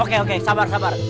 oke oke sabar sabar